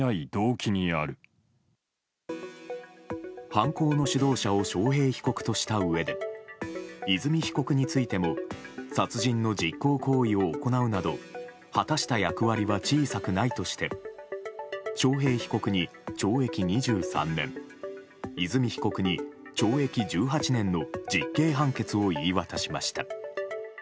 犯行の主導者を章平被告としたうえで和美被告についても殺人の実行行為を行うなど果たした役割は小さくないとして章平被告に懲役２３年和美被告に懲役１８年の実刑判決を言い渡しました。